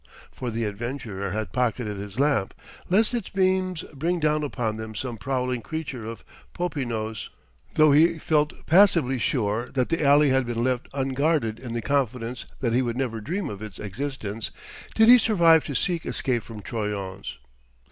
For the adventurer had pocketed his lamp, lest its beams bring down upon them some prowling creature of Popinot's; though he felt passably sure that the alley had been left unguarded in the confidence that he would never dream of its existence, did he survive to seek escape from Troyon's.